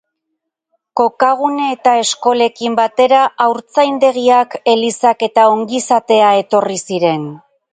Kokagune eta eskolekin batera, haurtzaindegiak, elizak eta ongizatea etorri ziren.